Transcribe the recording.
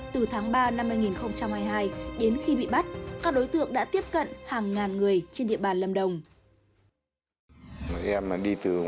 từ tháng ba năm hai nghìn hai mươi hai đến khi bị bắt các đối tượng đã tiếp cận hàng ngàn người trên địa bàn lâm đồng